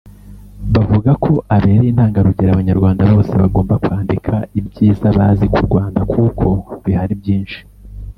bavuga ko abereye intangarugero Abanyarwanda bose bagomba kwandika ibyiza bazi ku Rwanda kuko bihari byinshi